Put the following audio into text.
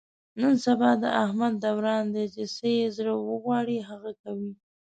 نن سبا د احمد دوران دی، چې څه یې زړه و غواړي هغه کوي.